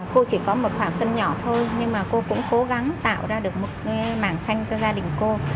cô chỉ có một học sân nhỏ thôi nhưng mà cô cũng cố gắng tạo ra được một mảng xanh cho gia đình cô